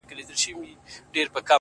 نن مي بيا ټوله شپه!